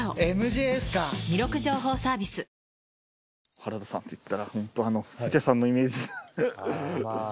原田さんっていったらホント助さんのイメージ。